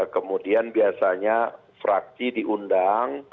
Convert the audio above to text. kemudian biasanya fraksi diundang